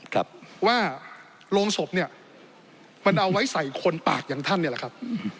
ครับว่าโรงศพเนี่ยมันเอาไว้ใส่คนปากอย่างท่านเนี่ยแหละครับ